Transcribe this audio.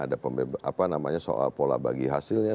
ada soal pola bagi hasilnya